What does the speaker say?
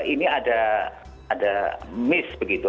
ini ada miss begitu